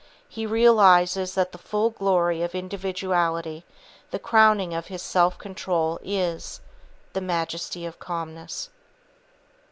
He realizes that the full glory of individuality, the crowning of his self control is, the majesty of calmness.